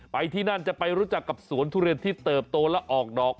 ที่นั่นจะไปรู้จักกับสวนทุเรียนที่เติบโตและออกดอก